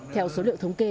theo số liệu thống kê